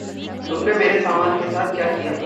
तुमने मेरे सामान के साथ क्या किया?